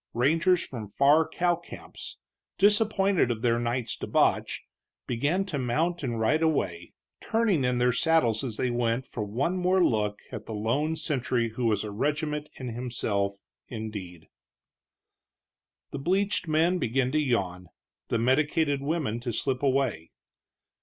Rangers from far cow camps, disappointed of their night's debauch, began to mount and ride away, turning in their saddles as they went for one more look at the lone sentry who was a regiment in himself, indeed. The bleached men began to yawn, the medicated women to slip away.